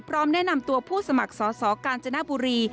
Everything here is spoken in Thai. พร้อมแนะนำตัวผู้สมัครสอบการจนบุรี